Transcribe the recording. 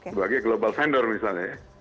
sebagai global vendor misalnya ya